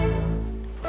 oke sampai jumpa